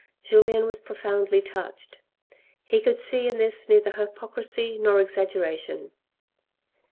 Julien was profoundly touched. He could see in this neither hypocrisy nor exaggeration.